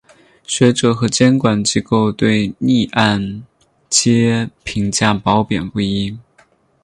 学者和监管机构对逆按揭评价褒贬不一。